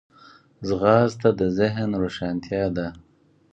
ځغاسته د ذهن روښانتیا ده